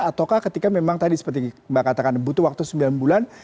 ataukah ketika memang tadi seperti mbak katakan butuh waktu sembilan bulan